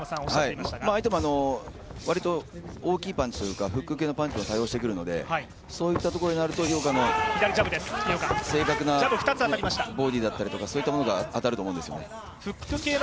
相手もわりと大きいパンチというかフック系のパンチを多用してくるのでそういったところになると井岡の正確なボディーだったりとかそういったものが当たると思うんですよね。